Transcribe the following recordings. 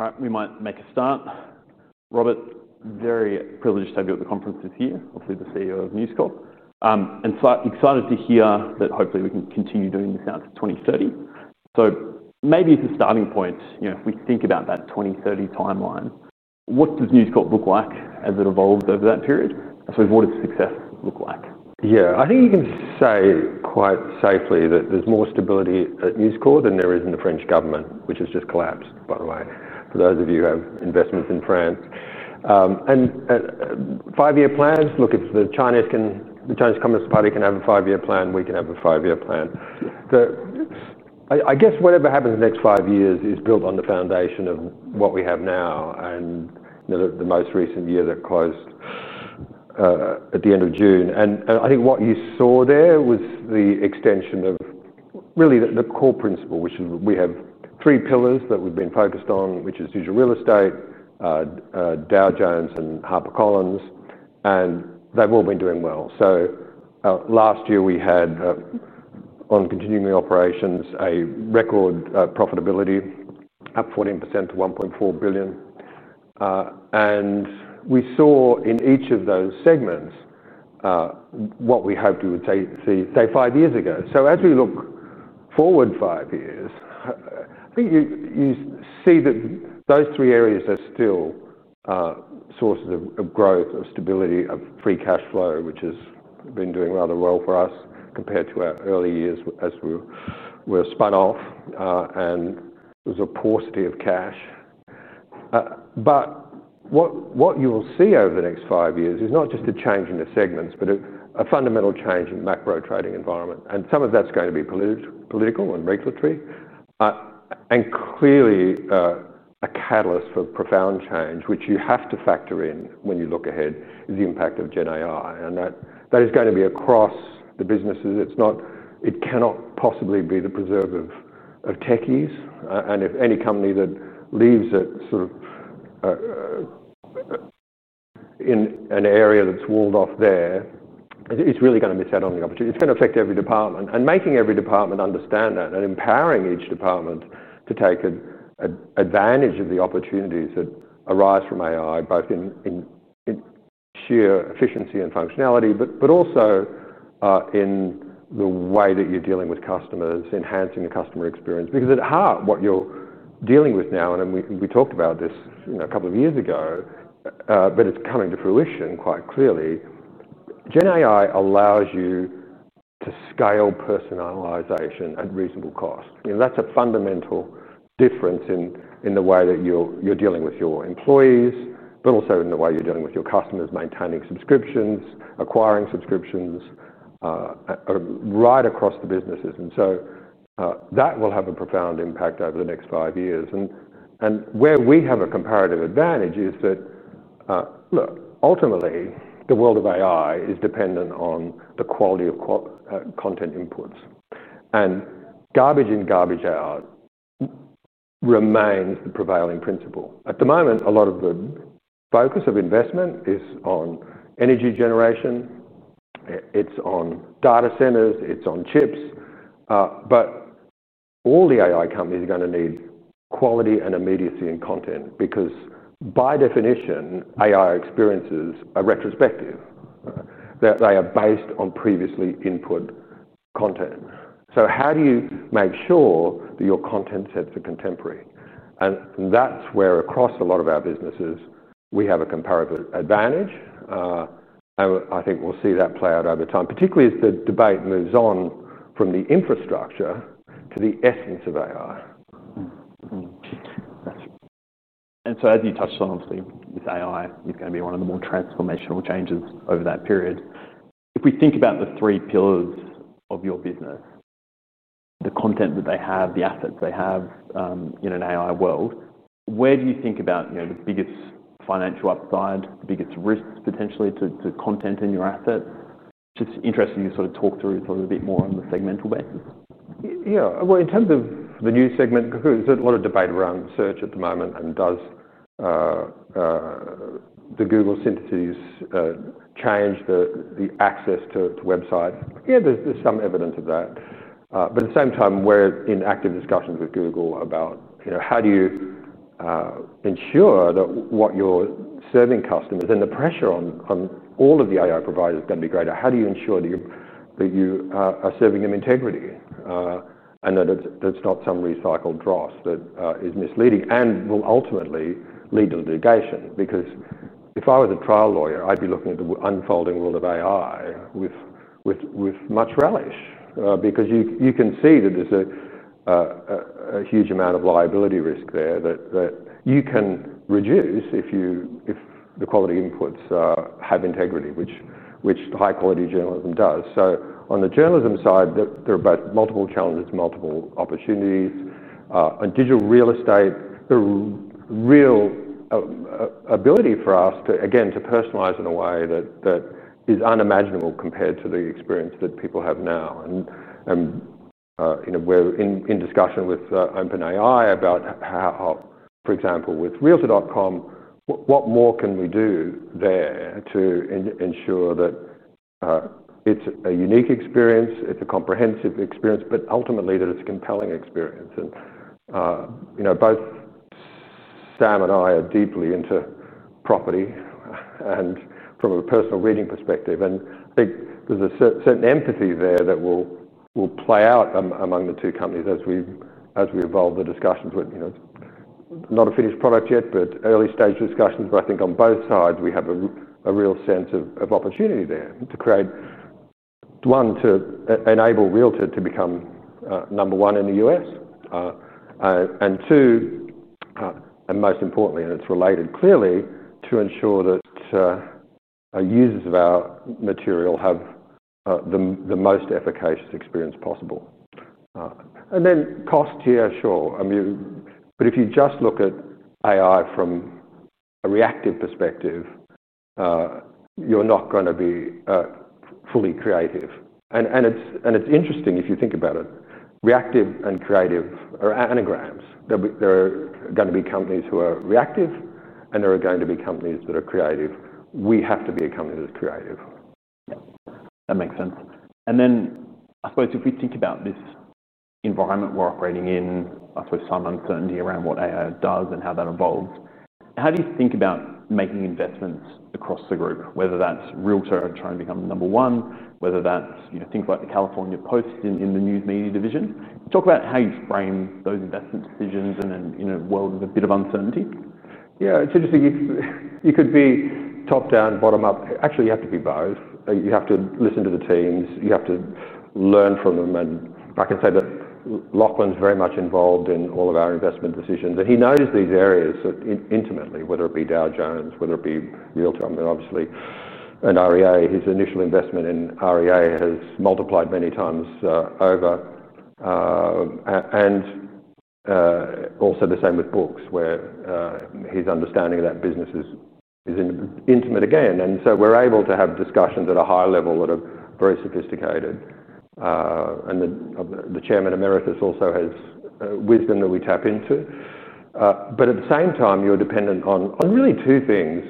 All right, we might make a start. Robert, very privileged to have you at the conference this year, obviously the CEO of News Corp. I'm excited to hear that hopefully we can continue doing this out to 2030. Maybe as a starting point, you know, we think about that 2030 timeline. What does News Corp look like as it evolves over that period? What does success look like? Yeah, I think you can say quite safely that there's more stability at News Corp than there is in the French government, which has just collapsed, by the way, for those of you who have investments in France. Five-year plans, look, if the Chinese Communist Party can have a five-year plan, we can have a five-year plan. I guess whatever happens in the next five years is built on the foundation of what we have now and the most recent year that closed at the end of June. I think what you saw there was the extension of really the core principle, which is we have three pillars that we've been focused on, which is digital real estate, Dow Jones, and HarperCollins, and they've all been doing well. Last year we had, on continuing operations, a record, profitability up 14% to $1.4 billion. We saw in each of those segments what we hoped we would say five years ago. As we look forward five years, I think you see that those three areas are still sources of growth, of stability, of free cash flow, which has been doing rather well for us compared to our early years as we were spun off and there was a paucity of cash. What you'll see over the next five years is not just a change in the segments, but a fundamental change in the macro trading environment. Some of that's going to be political and regulatory. Clearly, a catalyst for profound change, which you have to factor in when you look ahead, is the impact of generative AI. That is going to be across the businesses. It cannot possibly be the preserve of techies. Any company that leaves it in an area that's walled off there is really going to miss out on the opportunity. It's going to affect every department. Making every department understand that and empowering each department to take advantage of the opportunities that arise from AI, both in sheer efficiency and functionality, but also in the way that you're dealing with customers, enhancing the customer experience. At heart, what you're dealing with now, and we talked about this a couple of years ago, but it's coming to fruition quite clearly. Gen AI allows you to scale personalization at reasonable cost. That's a fundamental difference in the way that you're dealing with your employees, but also in the way you're dealing with your customers, maintaining subscriptions, acquiring subscriptions, right across the businesses. That will have a profound impact over the next five years. Where we have a comparative advantage is that, look, ultimately, the world of AI is dependent on the quality of content inputs. Garbage in, garbage out remains the prevailing principle. At the moment, a lot of the focus of investment is on energy generation, data centers, and chips. All the AI companies are going to need quality and immediacy in content because, by definition, AI experiences are retrospective. They are based on previously input content. How do you make sure that your content sets are contemporary? That's where, across a lot of our businesses, we have a comparable advantage. I think we'll see that play out over time, particularly as the debate moves on from the infrastructure to the essence of AI. As you touched on, obviously, with AI, it's going to be one of the more transformational changes over that period. If we think about the three pillars of your business, the content that they have, the assets they have, in an AI world, where do you think about the biggest financial upside, the biggest risks potentially to content in your assets? Just interested you sort of talk through it a little bit more on the segmental basis. Yeah, in terms of the news segment, there's a lot of debate around search at the moment. Does the Google synthesis change the access to websites? There's some evidence of that. At the same time, we're in active discussions with Google about how do you ensure that what you're serving customers and the pressure on all of the AI providers is going to be greater. How do you ensure that you are serving them integrity, and that it's not some recycled dross that is misleading and will ultimately lead to litigation? If I was a trial lawyer, I'd be looking at the unfolding world of AI with much relish because you can see that there's a huge amount of liability risk there that you can reduce if the quality inputs have integrity, which the high-quality journalism does. On the journalism side, there are both multiple challenges and multiple opportunities. On digital real estate, the real ability for us to personalize in a way that is unimaginable compared to the experience that people have now. We're in discussion with OpenAI about how, for example, with realtor.com, what more can we do there to ensure that it's a unique experience, it's a comprehensive experience, but ultimately that it's a compelling experience. Both Sam and I are deeply into property, and from a personal reading perspective. I think there's a certain empathy there that will play out among the two companies as we evolve the discussions. It's not a finished product yet, but early stage discussions. I think on both sides, we have a real sense of opportunity there to create, one, to enable realtor to become number one in the U.S., and two, and most importantly, and it's related clearly, to ensure that our users of our material have the most efficacious experience possible. On cost, yeah, sure. If you just look at AI from a reactive perspective, you're not going to be fully creative. It's interesting if you think about it. Reactive and creative are anagrams. There are going to be companies who are reactive, and there are going to be companies that are creative. We have to be a company that's creative. That makes sense. I suppose if we think about this environment we're operating in, I suppose some uncertainty around what AI does and how that evolves, how do you think about making investments across the group, whether that's realtor.com and trying to become number one, whether that's, you know, things like The California Post in the news media division? Talk about how you frame those investment decisions in a world of a bit of uncertainty. Yeah, it's interesting. You could be top down, bottom up. Actually, you have to be both. You have to listen to the teams. You have to learn from them. I can say that Lachlan's very much involved in all of our investment decisions. He knows these areas intimately, whether it be Dow Jones, whether it be realtor.com. Obviously in REA, his initial investment in REA has multiplied many times over. The same with books, where his understanding of that business is intimate again. We're able to have discussions at a high level that are very sophisticated. The chairman emeritus also has wisdom that we tap into. At the same time, you're dependent on really two things: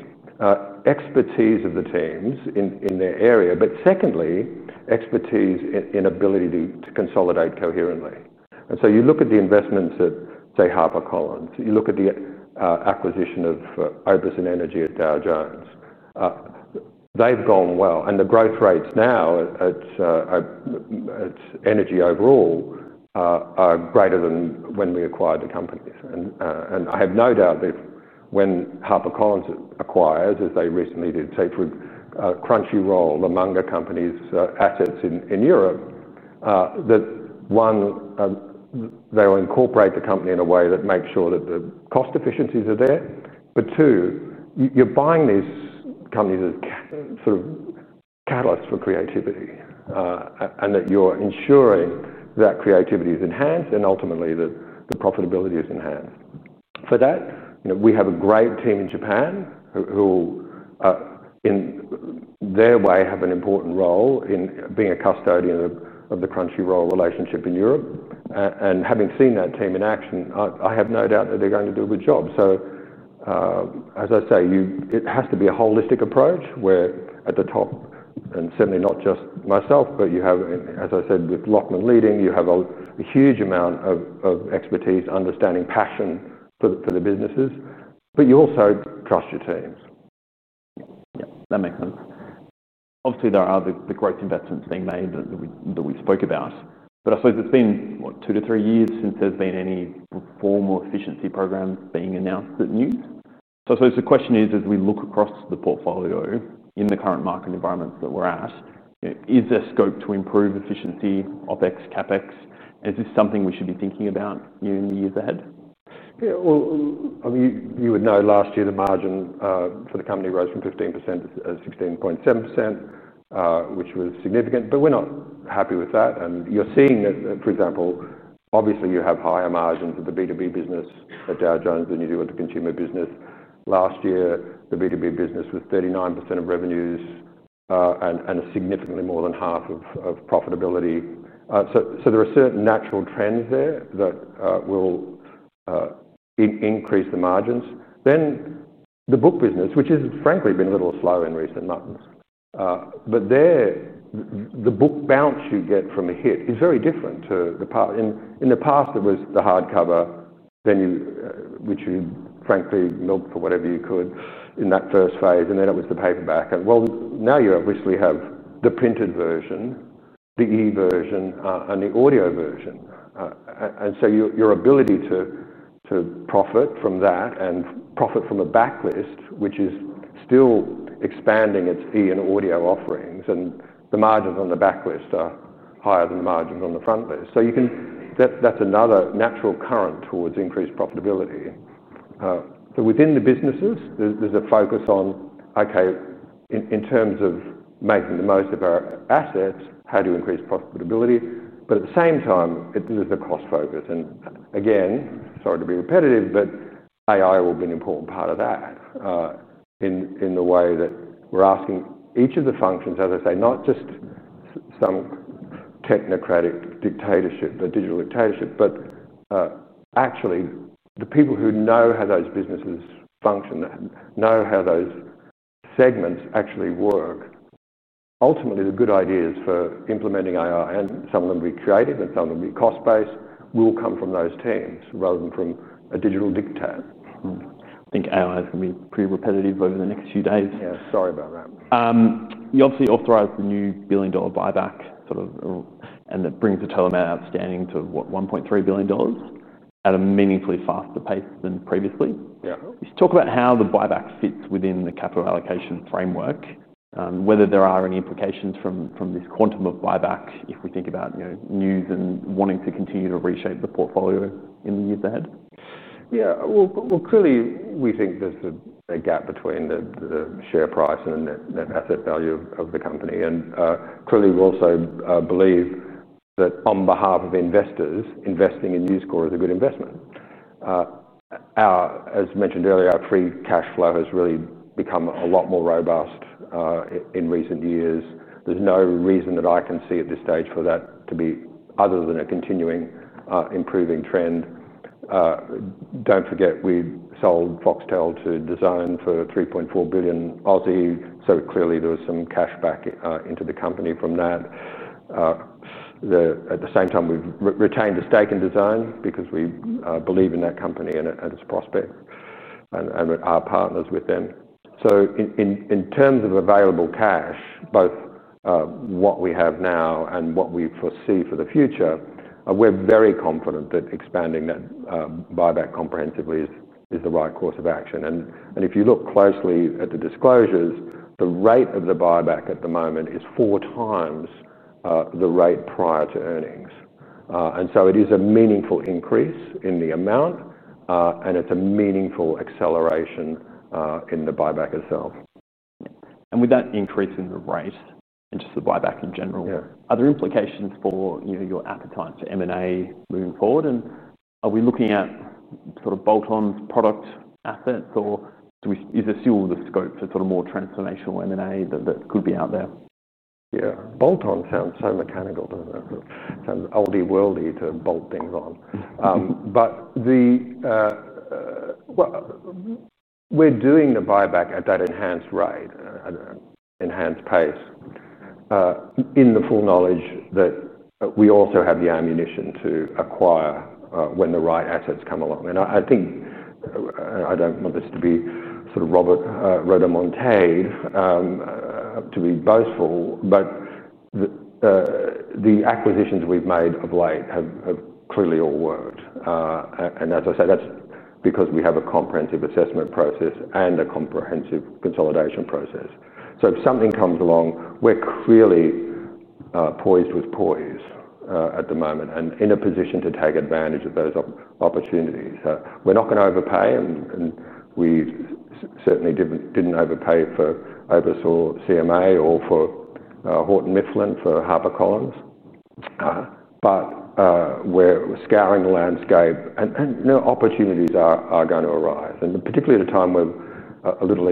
expertise of the teams in their area, and expertise in ability to consolidate coherently. You look at the investments at, say, HarperCollins. You look at the acquisition of OPIS Energy at Dow Jones. They've gone well. The growth rates now at Energy overall are greater than when we acquired the companies. I have no doubt that when HarperCollins acquires, as they recently did, say, for Crunchyroll among the company's assets in Europe, that one, they'll incorporate the company in a way that makes sure that the cost efficiencies are there. Two, you're buying these companies as sort of catalysts for creativity, and you're ensuring that creativity is enhanced and ultimately that the profitability is enhanced. For that, we have a great team in Japan who, in their way, have an important role in being a custodian of the Crunchyroll relationship in Europe. Having seen that team in action, I have no doubt that they're going to do a good job. It has to be a holistic approach where at the top, and certainly not just myself, but you have, as I said, with Lachlan leading, a huge amount of expertise, understanding, passion for the businesses, but you also trust your teams. That makes sense. Obviously, there are the growth investments being made that we spoke about. I suppose it's been, what, two to three years since there's been any formal efficiency program being announced at News. I suppose the question is, as we look across the portfolio in the current market environments that we're at, is there scope to improve efficiency, OpEx, CapEx? Is this something we should be thinking about in the years ahead? Yeah, I mean, you would know last year the margin for the company rose from 15% to 16.7%, which was significant, but we're not happy with that. You're seeing that, for example, obviously you have higher margins at the B2B business at Dow Jones than you do at the consumer business. Last year, the B2B business was 39% of revenues, and significantly more than half of profitability. There are certain natural trends there that will increase the margins. The book business, which has frankly been a little slow in recent months, but there, the book bounce you get from a hit is very different to the past. In the past, it was the hardcover, which you frankly milked for whatever you could in that first phase, and then it was the paperback. Now you obviously have the printed version, the e-version, and the audio version, so your ability to profit from that and profit from a backlist, which is still expanding its e- and audio offerings, and the margins on the backlist are higher than the margins on the frontlist. That's another natural current towards increased profitability. Within the businesses, there's a focus on, okay, in terms of making the most of our assets, how do you increase profitability? At the same time, there's the cost focus. Again, sorry to be repetitive, but AI will be an important part of that, in the way that we're asking each of the functions, as I say, not just some technocratic dictatorship, the digital dictatorship, but actually the people who know how those businesses function, know how those segments actually work. Ultimately, the good ideas for implementing AI, and some of them will be creative and some of them will be cost-based, will come from those teams rather than from a digital [dictator]. I think AI is going to be pretty repetitive over the next few days. Sorry about that. You obviously authorized the new billion-dollar buyback, and that brings the total amount outstanding to $1.3 billion at a meaningfully faster pace than previously. Yeah. Talk about how the buyback fits within the capital allocation framework, whether there are any implications from this quantum of buyback if we think about, you know, News and wanting to continue to reshape the portfolio in the years ahead. Yeah, clearly we think there's a gap between the share price and the net asset value of the company. Clearly we also believe that on behalf of investors, investing in News Corp is a good investment. As mentioned earlier, our free cash flow has really become a lot more robust in recent years. There's no reason that I can see at this stage for that to be other than a continuing, improving trend. Don't forget we sold Foxtel to DAZN for $3.4 billion, oddly. Clearly there was some cash back into the company from that. At the same time, we've retained a stake in DAZN because we believe in that company and its prospect and our partnership with them. In terms of available cash, both what we have now and what we foresee for the future, we're very confident that expanding that buyback comprehensively is the right course of action. If you look closely at the disclosures, the rate of the buyback at the moment is four times the rate prior to earnings, and so it is a meaningful increase in the amount, and it's a meaningful acceleration in the buyback itself. With that increase in the rate and just the buyback in general, are there implications for your appetite for M&A moving forward? Are we looking at sort of bolt-on product assets, or is there still the scope for more transformational M&A that could be out there? Yeah, bolt-on sounds so mechanical, doesn't it? It sounds oldie worldie to bolt things on. We're doing the buyback at that enhanced rate, at an enhanced pace, in the full knowledge that we also have the ammunition to acquire when the right assets come along. I think, I don't want this to be sort of Robert rodomontade, to be boastful, but the acquisitions we've made of late have clearly all worked. As I say, that's because we have a comprehensive assessment process and a comprehensive consolidation process. If something comes along, we're clearly poised with poise at the moment and in a position to take advantage of those opportunities. We're not going to overpay, and we certainly didn't overpay for OPIS for CMA or for Houghton Mifflin for HarperCollins. We're scouring the landscape and, you know, opportunities are going to arise. Particularly at a time with a little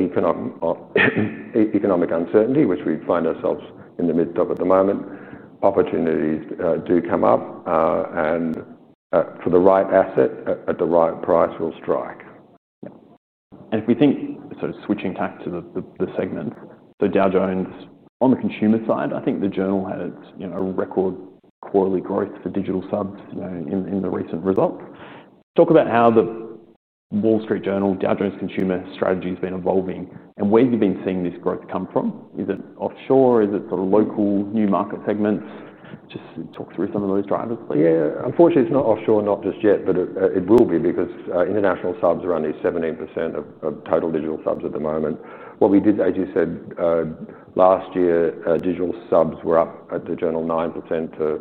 economic uncertainty, which we find ourselves in the midst of at the moment, opportunities do come up, and for the right asset at the right price we'll strike. If we think sort of switching tack to the segment, Dow Jones on the consumer side, I think The Journal had its, you know, a record quarterly growth for digital subs in the recent result. Talk about how The Wall Street Journal Dow Jones consumer strategy has been evolving and where you've been seeing this growth come from. Is it offshore? Is it sort of local new market segments? Just talk through some of those drivers. Yeah, unfortunately, it's not offshore, not just yet, but it will be because international subs are only 17% of total digital subs at the moment. What we did, as you said, last year, digital subs were up at The Journal 9% to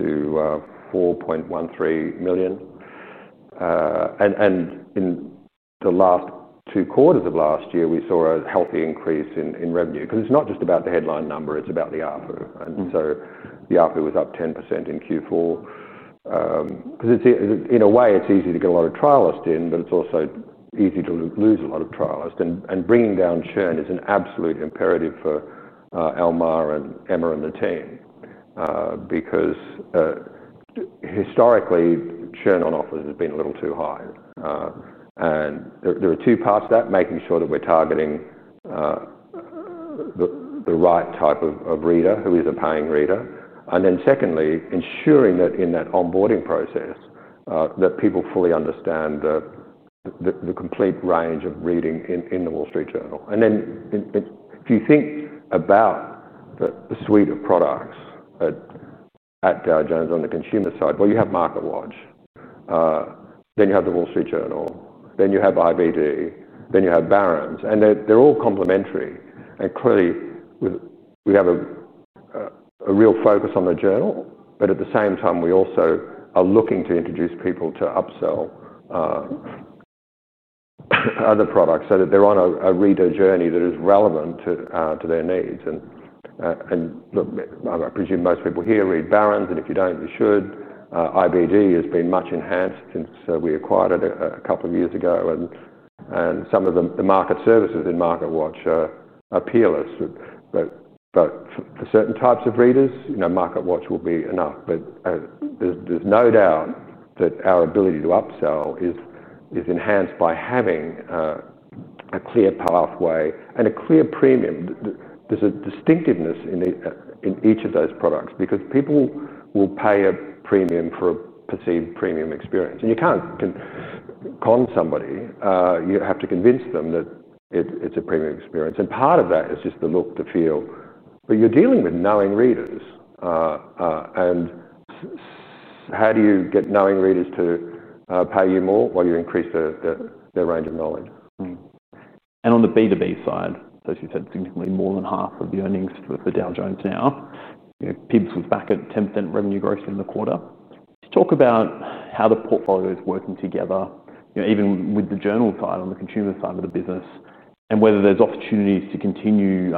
$4.13 million. In the last two quarters of last year, we saw a healthy increase in revenue because it's not just about the headline number, it's about the ARPU. The ARPU was up 10% in Q4. In a way, it's easy to get a lot of trialists in, but it's also easy to lose a lot of trialists. Bringing down churn is an absolute imperative for Almar and Emma and the team, because historically, churn on offers has been a little too high. There are two parts to that: making sure that we're targeting the right type of reader, who is a paying reader, and ensuring that in that onboarding process, people fully understand the complete range of reading in The Wall Street Journal. If you think about the suite of products at Dow Jones on the consumer side, you have MarketWatch, then you have The Wall Street Journal, then you have IBD, then you have Barron's, and they're all complementary. Clearly, we have a real focus on The Journal, but at the same time, we also are looking to introduce people to upsell other products so that they're on a reader journey that is relevant to their needs. I presume most people here read Barron's, and if you don't, you should. IBD has been much enhanced since we acquired it a couple of years ago. Some of the market services in MarketWatch are peerless. For certain types of readers, MarketWatch will be enough. There is no doubt that our ability to upsell is enhanced by having a clear pathway and a clear premium. There's a distinctiveness in each of those products because people will pay a premium for a perceived premium experience. You can't con somebody. You have to convince them that it's a premium experience. Part of that is just the look, the feel. You're dealing with knowing readers. How do you get knowing readers to pay you more while you increase their range of knowledge? On the B2B side, as you said, significantly more than half of the earnings for Dow Jones now. IBS was back at 10% revenue growth in the quarter. Talk about how the portfolio is working together, even with The Journal side on the consumer side of the business and whether there's opportunities to continue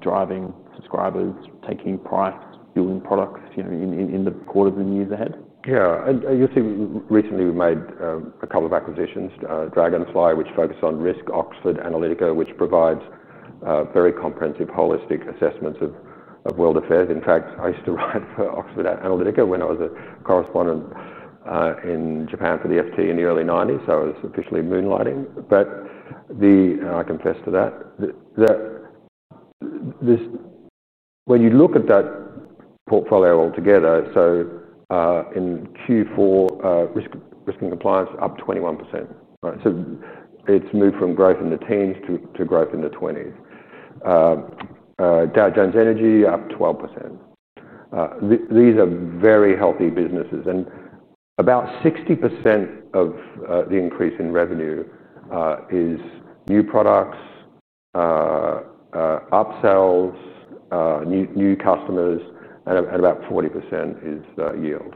driving subscribers, taking price, building products in the quarters and years ahead. Yeah, and you'll see recently we made a couple of acquisitions, Dragonfly, which focuses on Risk, and Oxford Analytica, which provides very comprehensive, holistic assessments of world affairs. In fact, I used to write for Oxford Analytica when I was a correspondent in Japan for the FT in the early 1990s. I was officially moonlighting. I confess to that. When you look at that portfolio altogether, in Q4, Risk & Compliance was up 21%. It's moved from growth in the teens to growth in the 20s. Dow Jones Energy was up 12%. These are very healthy businesses. About 60% of the increase in revenue is new products, upsells, new customers, and about 40% is yield.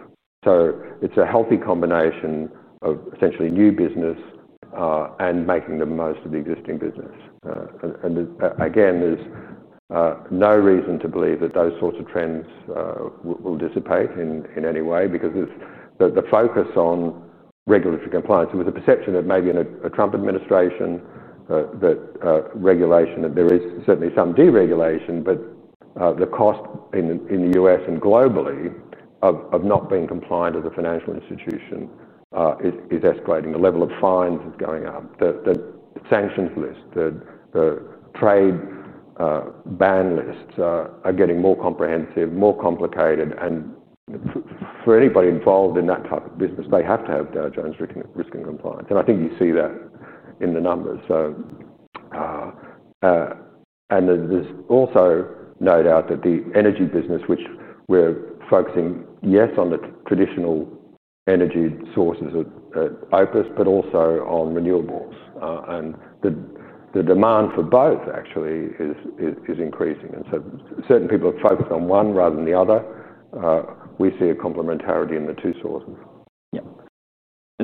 It's a healthy combination of essentially new business and making the most of the existing business. There's no reason to believe that those sorts of trends will dissipate in any way because the focus on regulatory compliance, there was a perception that maybe in a Trump administration that regulation, that there is certainly some deregulation, but the cost in the U.S. and globally of not being compliant as a financial institution is escalating. The level of fines is going up. The sanctions list, the trade ban lists are getting more comprehensive, more complicated. For anybody involved in that type of business, they have to have Dow Jones Risk & Compliance. I think you see that in the numbers. There's also no doubt that the energy business, which we're focusing, yes, on the traditional energy sources at Opus, but also on renewables. The demand for both actually is increasing. Certain people are focused on one rather than the other. We see a complementarity in the two sources. Yeah.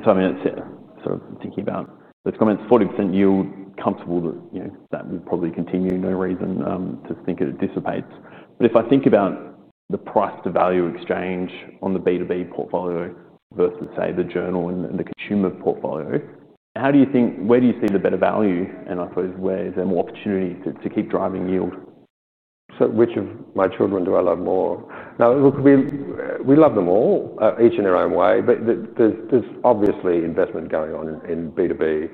I mean, it's sort of thinking about this comment, 40% yield, comfortable that, you know, that will probably continue. No reason to think it dissipates. If I think about the price to value exchange on the B2B portfolio versus, say, The Journal and the consumer portfolio, how do you think, where do you see the better value? I suppose where is there more opportunity to keep driving yield? Which of my children do I love more? No, look, we love them all, each in their own way. There is obviously investment going on in B2B,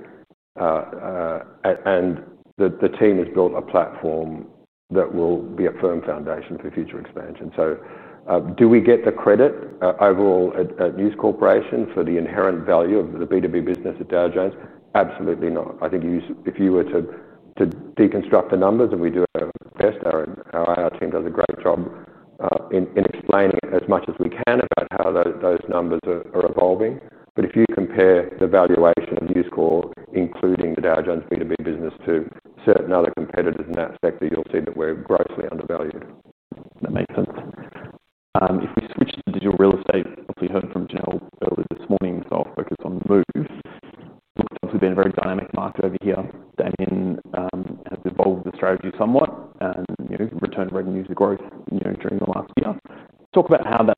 and the team has built a platform that will be a firm foundation for future expansion. Do we get the credit overall at News Corp for the inherent value of the B2B business at Dow Jones? Absolutely not. I think if you were to deconstruct the numbers, and we do it, our team does a great job in explaining as much as we can about how those numbers are evolving. If you compare the valuation of News Corp, including the Dow Jones B2B business, to certain other competitors in that sector, you'll see that we're grossly undervalued. That makes sense. If we switch to digital real estate, obviously you heard from Janelle this morning, so I'll focus on the Move. Obviously, it's been a very dynamic market over here. Damian has evolved the strategy somewhat and returned revenues to growth during the last year. Talk about how that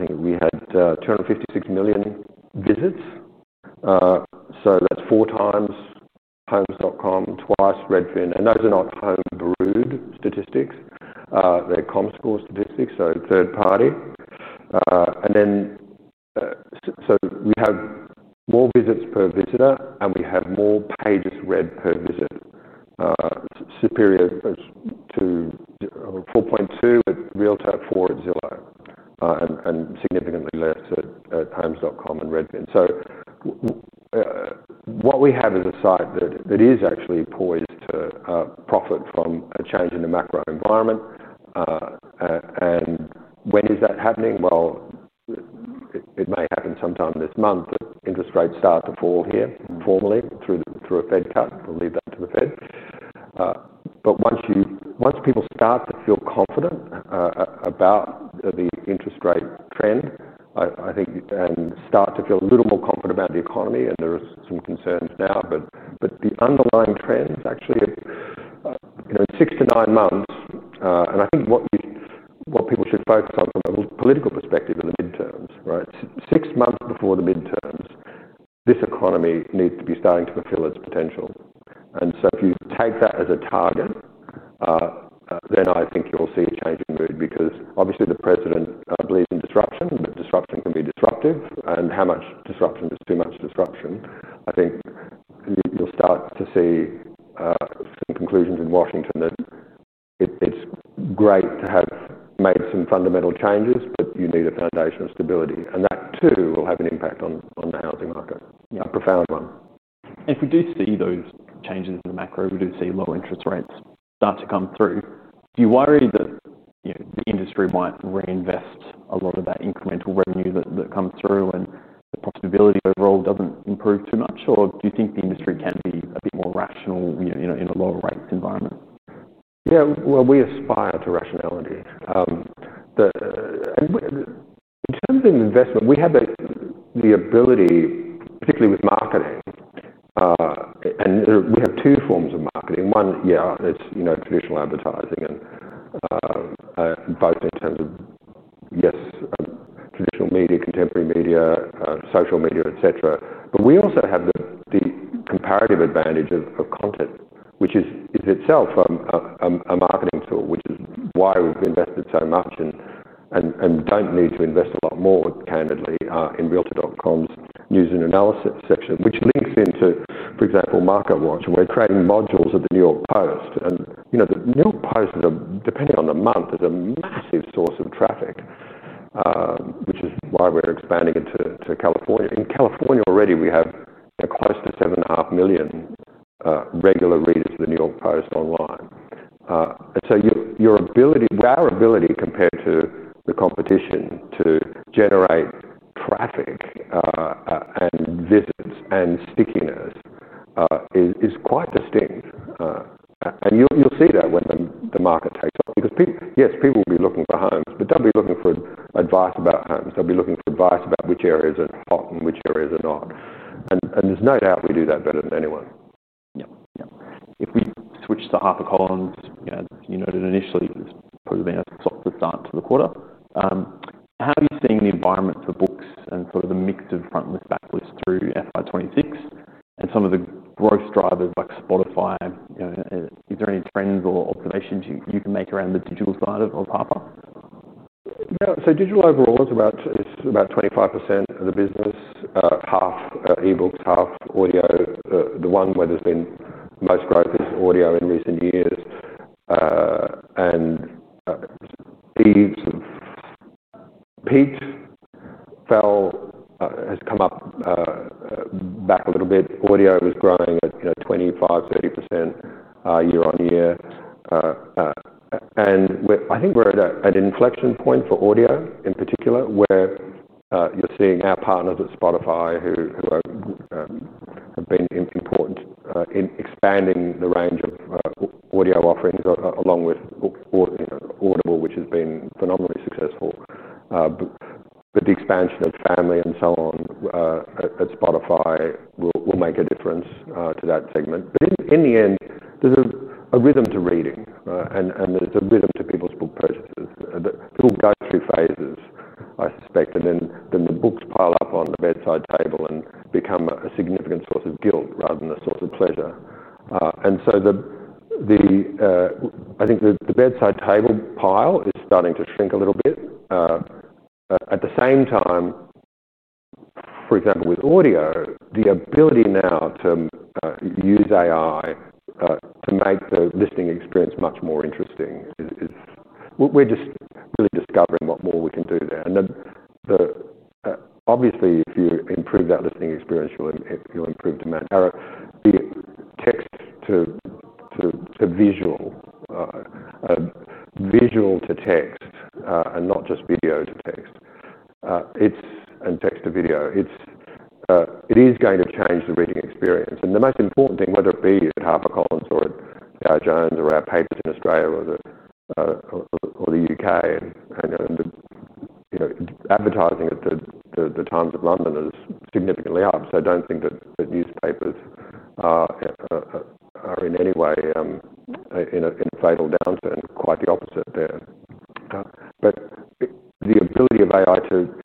I think we had 256 million visits. That's four times homes.com, twice Redfin. Those are not home-brewed statistics. They're Comscore statistics, so third party. We have more visits per visitor, and we have more pages read per visit. It's superior to 4.2 at realtor.com, 4 at Zillow, and significantly less at homes.com and Redfin. What we have is a site that is actually poised to profit from a change in the macro environment. When is that happening? It may happen sometime this month. Interest rates start to fall here formally through a Fed cut. We'll leave that to the Fed. Once people start to feel confident about the interest rate trend, I think, and start to feel a little more confident about the economy, and there are some concerns now. The underlying trends actually, you know, six to nine months, and I think what people should focus on from a political perspective are the midterms, right? Six months before the midterms, this economy needs to be starting to fulfill its potential. If you take that as a target, then I think you'll see a change in mood because obviously the president believes in disruption. Disruption can be disruptive, and how much disruption is too much disruption. I think you'll start to see some conclusions in Washington that it's great to have made some fundamental changes, but you need a foundation of stability. That too will have an impact on the housing market. A profound one. If we do see those changes in the macro, we do see low interest rates start to come through. Do you worry that the industry might reinvest a lot of that incremental revenue that comes through and the profitability overall doesn't improve too much? Or do you think the industry can be a bit more rational in a lower rates environment? Yeah, we aspire to rationality, and in terms of investment, we have the ability, particularly with marketing. We have two forms of marketing. One, it's traditional advertising, both in terms of traditional media, contemporary media, social media, et cetera. We also have the comparative advantage of content, which is itself a marketing tool, which is why we've invested so much and don't need to invest a lot more, candidly, in realtor.com's news and analysis section, which links into, for example, MarketWatch. We're trading modules of the New York Post. The New York Post, depending on the month, is a massive source of traffic, which is why we're expanding into California. In California already, we have close to 7.5 million regular readers for the New York Post online. Your ability, our ability compared to the competition to generate traffic and visits and stickiness is quite distinct. You'll see that when the market takes off because, yes, people will be looking for homes, but they'll be looking for advice about homes. They'll be looking for advice about which areas are hot and which areas are not. There's no doubt we do that better than anyone. Yeah. If we switch to HarperCollins, you know, you noted initially it was supposed to be a top of the chart for the quarter. How are you seeing the environment for books and sort of the mix of frontlist, backlist through FY2026 and some of the growth drivers like Spotify? You know, are there any trends or observations you can make around the digital side of Harper? No, so digital overall is about 25% of the business, half e-books, half audio. The one where there's been most growth is audio in recent years. Audio is growing at 25%, 30% year- on- year. I think we're at an inflection point for audio in particular, where you're seeing our partners at Spotify, who have been important in expanding the range of audio offerings along with Audible, which has been phenomenally successful. The expansion of Family and so on at Spotify will make a difference to that segment. In the end, there's a rhythm to reading, and there's a rhythm to people's book purchases. They all go through phases, I suspect, and then the books pile up on the bedside table and become a significant source of guilt rather than a source of pleasure. I think the bedside table pile is starting to shrink a little bit. At the same time, for example, with audio, the ability now to use AI to make the listening experience much more interesting is, we're just really discovering what more we can do there. Obviously, if you improve that listening experience, you'll improve demand. Now, the text to a visual, visual to text, and not just video to text, and text to video, it is going to change the reading experience. The most important thing, whether it be at HarperCollins or at our journals or our papers in Australia or the UK, and the advertising at The Times of London is significantly up. I don't think that the newspapers are in any way in a fatal downturn, quite the opposite there. The ability of AI to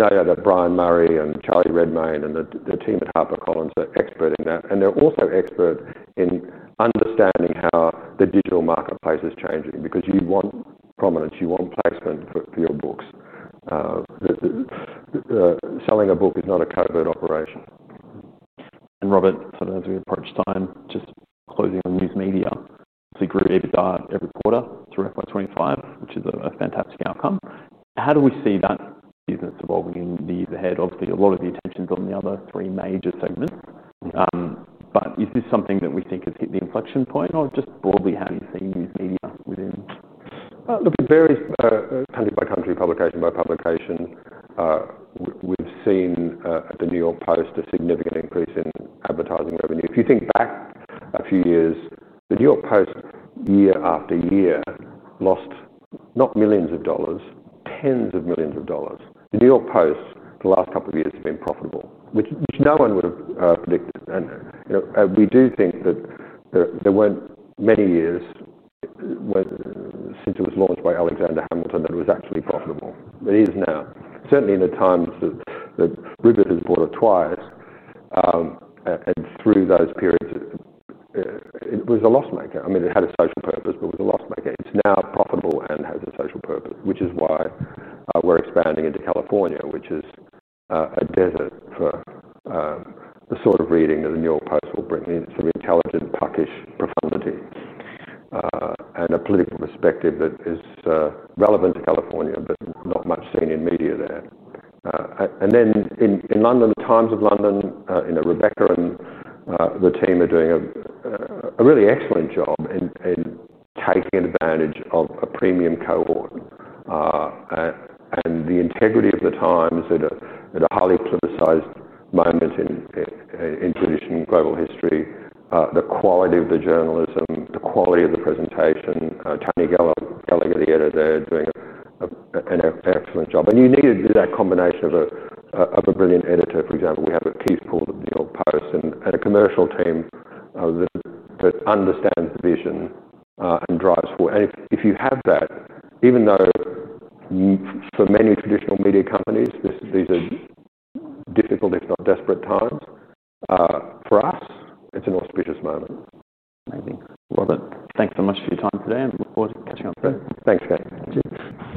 formats, we have a book of previously unreleased short stories by Harper Lee that will make a difference. Yes, you have to, you certainly have to focus on cost and I will take cost out, but you have to focus on a different type of acquisition, which is creative acquisition, artistic acquisition. You have to be able to anticipate the reader trends because there is a reader rhythm. There's no doubt that Brian Murray and Charlie Redmayne and the team at HarperCollins are expert in that. They're also expert in understanding how the digital marketplace is changing because you want prominence, you want placement for your books. Selling a book is not a covert operation. Robert, as we approach time, just closing on news media, obviously greater every quarter to reflect 2025, which is a fantastic outcome. How do we see that given it's evolving in the years ahead? Obviously, a lot of the attention is on the other three major segments. Is this something that we think has hit the inflection point or just broadly how you've seen news media within? Look, very country by country, publication by publication. We've seen at the New York Post a significant increase in advertising revenue. If you think back a few years, the New York Post year after year lost not millions of dollars, tens of millions of dollars. The New York Post the last couple of years have been profitable, which no one would have predicted. You know, we do think that there weren't many years since it was launched by Alexander Hamilton that it was actually profitable. It is now, certainly in the times that that Rivers has bought it twice, and through those periods, it was a loss maker. I mean, it had a social purpose, but it was a loss maker. It's now profitable and has a social purpose, which is why we're expanding into California, which is a desert for the sort of reading that the New York Post will bring in. It's an intelligent Turkish profundity, and a political perspective that is relevant to California, but not much seen in media there. In London, The Times of London, Rebecca and the team are doing a really excellent job in taking advantage of a premium cohort, and the integrity of The Times at a highly politicized moment in tradition, global history, the quality of the journalism, the quality of the presentation. Tony Gallagher, the editor there, doing an excellent job. You need to do that combination of a brilliant editor. For example, we have a peaceful New York Post and a commercial team that understands the vision and drives forward. If you have that, even though for many traditional media companies, these are difficult, if not desperate times, for us, it's an auspicious moment. Amazing. Thank you so much for your time today. I look forward to catching up soon. Thanks, Shane. Cheers.